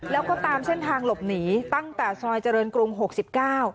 แล้วก็ตามเส้นทางหลบหนีตั้งแต่ซอยเจริญกรุงหกสิบเก้า